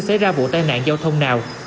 nó sẽ xảy ra vụ tai nạn giao thông nào